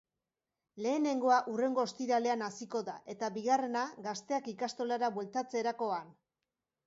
Lehenengoa hurrengo ostiralean hasiko da eta bigarrena gazteak ikastolara bueltatzerakoan.